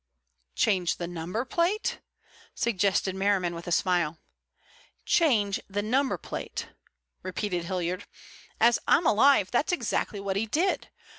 "Change the number plate?" suggested Merriman with a smile. "Change the number plate!" repeated Hilliard. "As I'm alive, that's exactly what he did.